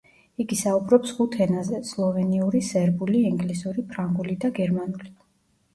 იგი საუბრობს ხუთ ენაზე: სლოვენიური, სერბული, ინგლისური, ფრანგული და გერმანული.